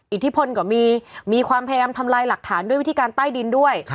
อิทธิพลก็มีมีความพยายามทำลายหลักฐานด้วยวิธีการใต้ดินด้วย